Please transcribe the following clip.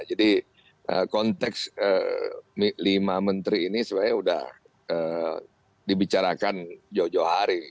jadi konteks lima menteri ini sudah dibicarakan jauh jauh hari